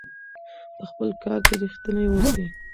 په خپل کار کې ریښتیني اوسئ.